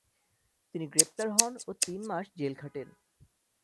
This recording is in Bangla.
তিনি গ্রেপ্তার হন ও তিনমাস জেল খাটেন।